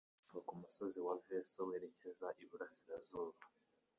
kuva ku musozi wa Veso werekeza iburasirazuba